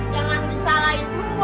jangan disalahin mu